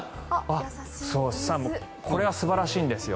これは素晴らしいんですよ。